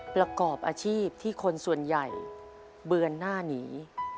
ประกอบอาชีพที่คนส่วนใหญ่เบือนหน้าหนี